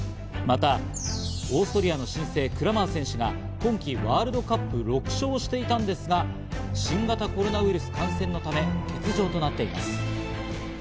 また、オーストリアの新星、マリタ・クラマー選手は今季ワールドカップ６勝をしていたんですが、新型コロナウイルス感染のため欠場となっています。